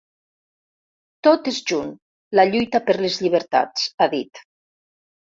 Tot és junt: la lluita per les llibertats, ha dit.